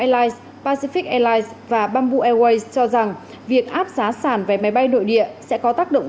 airlines pacific airlines và bamboo airways cho rằng việc áp giá sản vé máy bay nội địa sẽ có tác động